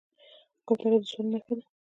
کوتره د سولې نښه ده